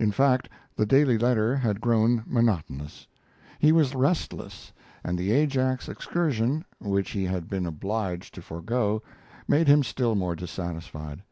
In fact, the daily letter had grown monotonous. He was restless, and the Ajax excursion, which he had been obliged to forego, made him still more dissatisfied.